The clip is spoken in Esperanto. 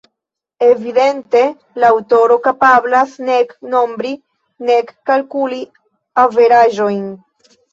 Evidente la aŭtoro kapablas nek nombri nek kalkuli averaĝojn.